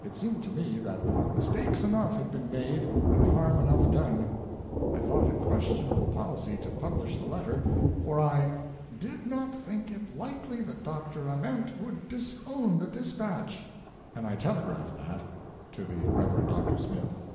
It seemed to me that mistakes enough had been made and harm enough done. I thought it questionable policy to publish the Letter, for I "did not think it likely that Dr. Ament would disown the dispatch," and I telegraphed that to the Eev. Dr. Smith.